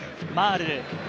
マールル。